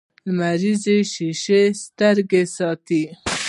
لمریزې شیشې سترګې ساتي